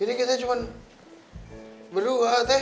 kita cuma berdua teh